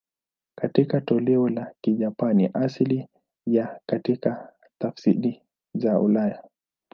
Katika toleo la Kijapani asili na katika tafsiri za ulaya.